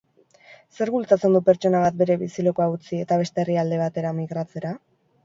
Zerk bultzatzen du pertsona bat bere bizilekua utzi eta beste herrialde batera migratzera?